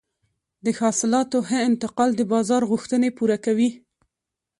د حاصلاتو ښه انتقال د بازار غوښتنې پوره کوي.